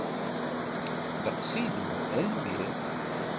Ddeqs-inu, tanemmirt.